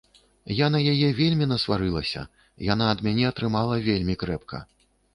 Я на яе вельмі насварылася, яна ад мяне атрымала вельмі крэпка.